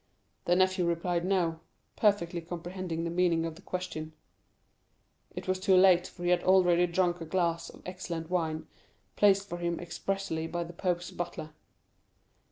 The nephew replied no; perfectly comprehending the meaning of the question. It was too late, for he had already drunk a glass of excellent wine, placed for him expressly by the pope's butler.